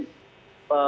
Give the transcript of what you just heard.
mungkin bisa diperlukan